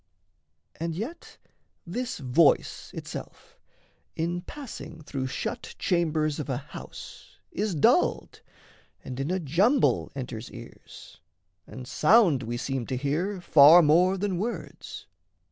And yet this voice itself, In passing through shut chambers of a house, Is dulled, and in a jumble enters ears, And sound we seem to hear far more than words.